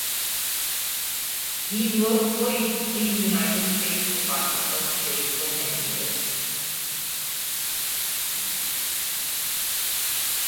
He worked for the United States Department of State for many years.